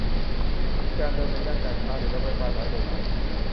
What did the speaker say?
มีการเดินในย่านการค้าหรือละแวกบ้านน้อยลงไหม